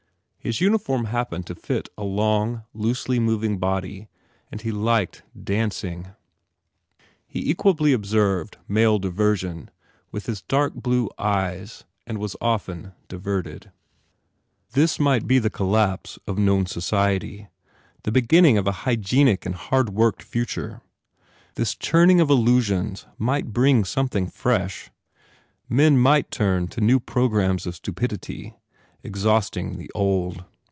His uniform happened to fit a long, loosely mov ing body and he liked dancing. He equably ob served male diversion with his dark blue eyes and was often diverted. This might be the col 107 THE FAIR REWARDS lapse of known society, the beginning of a hy gienic and hardworked future. This churning of illusions might bring something fresh. Men might turn to new programs of stupidity, ex hausting the old.